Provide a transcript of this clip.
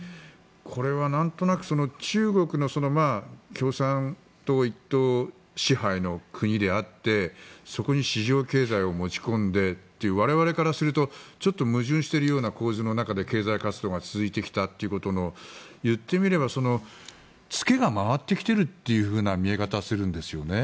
これは、なんとなく中国の共産党一党支配の国であってそこに市場経済を持ち込んでという我々からするとちょっと矛盾しているような構図の中で経済活動が続いてきたということの言ってみれば付けが回ってきているという見え方がするんですよね。